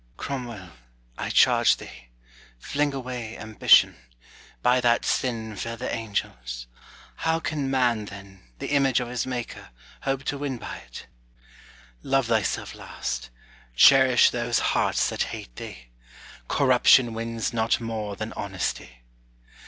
Cromwell, I charge thee, fling away ambition: By that sin fell the angels; how can man, then, The image of his Maker, hope to win by 't? Love thyself last: cherish those hearts that hate thee: Corruption wins not more than honesty.